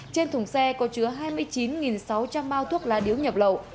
trên thùng xe có chứa hai mươi chín sáu trăm linh bao thuốc lá điếu nhập lậu